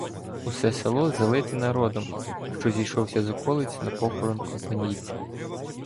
Усе село залите народом, що зійшовся з околиць на похорон Компанійця.